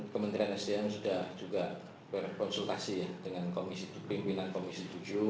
kementerian sdm sudah juga berkonsultasi dengan keringinan komisi tujuh